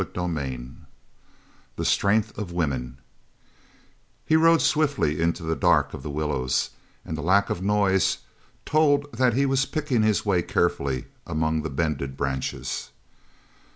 CHAPTER X THE STRENGTH OF WOMEN He rode swiftly into the dark of the willows, and the lack of noise told that he was picking his way carefully among the bended branches.